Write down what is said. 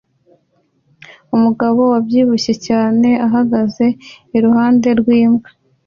Umugabo wabyibushye cyane ahagaze iruhande rwimbwa